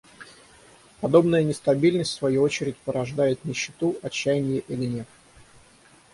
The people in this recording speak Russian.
Подобная нестабильность, в свою очередь, порождает нищету, отчаяние и гнев.